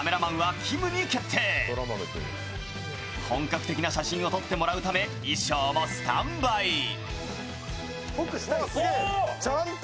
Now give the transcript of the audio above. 本格的な写真を撮ってもらうため衣装もスタンバイ。